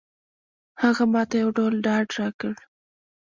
هغه ماته یو ډول ډاډ راکړ.